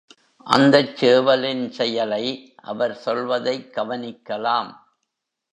அந்தச் சேவலின் செயலை அவர் சொல்வதைக் கவனிக்கலாம்.